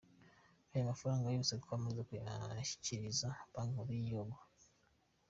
Aya mafaranga yose twamaze kuyashyikiriza Banki Nkuru y’Igihugu.